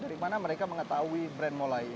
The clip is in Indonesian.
dari mana mereka mengetahui brand molai ini